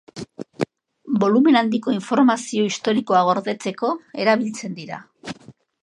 Bolumen handiko informazio historikoa gordetzeko erabiltzen dira.